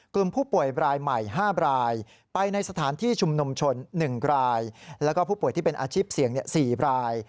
คุมชน๑รายแล้วก็ผู้ป่วยที่เป็นอาชีพเสี่ยง๔ราย